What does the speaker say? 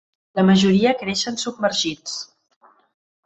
La majoria creixen submergits.